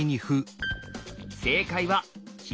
正解は左。